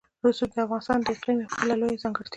رسوب د افغانستان د اقلیم یوه بله لویه ځانګړتیا ده.